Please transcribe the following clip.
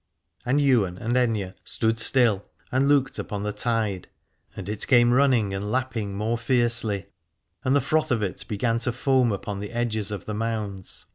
And Ywain and Aithne stood still and looked upon the tide: and it came running and lap 322 Alad ore ping more fiercely, and the froth of it began to foam upon the edges of the mounds.